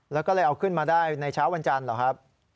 แล้วก็เลยเอาขึ้นมาได้ในเช้าวันจันทร์เหรอครับ